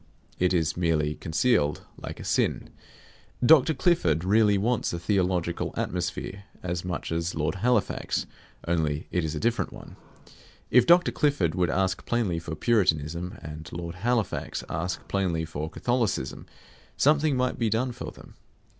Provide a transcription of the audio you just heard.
It is merely concealed, like a sin. Dr. Clifford really wants a theological atmosphere as much as Lord Halifax; only it is a different one. If Dr. Clifford would ask plainly for Puritanism and Lord Halifax ask plainly for Catholicism, something might be done for them.